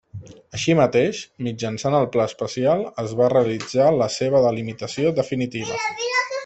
Així mateix, mitjançant el Pla especial es va realitzar la seva delimitació definitiva.